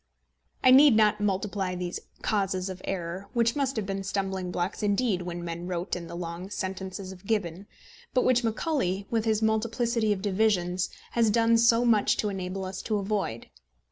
I need not multiply these causes of error, which must have been stumbling blocks indeed when men wrote in the long sentences of Gibbon, but which Macaulay, with his multiplicity of divisions, has done so much to enable us to avoid.